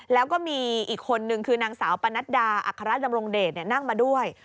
แล้วก็มีอีกคนนึงคือนางสาวปนัดดาอัครดำรงเดชนั่งมาด้วย